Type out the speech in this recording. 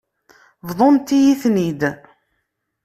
Bḍumt-iyi-ten-id.